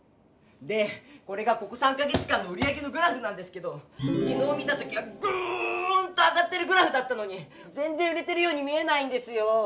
でこれがここ３か月間の売り上げのグラフなんですけどきのう見た時はグーンと上がってるグラフだったのにぜんぜん売れてるように見えないんですよ！